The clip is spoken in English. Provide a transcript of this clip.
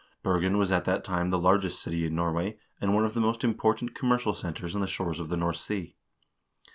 Bergen was at that time the largest city in Norway, and one of the most important commercial centers on the shores of the North Sea.